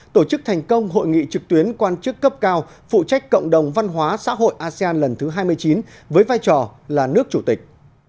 tổ chức thành công hội nghị trực tuyến quan chức cấp cao phụ trách cộng đồng văn hóa xã hội asean lần thứ hai mươi chín với vai trò là nước chủ tịch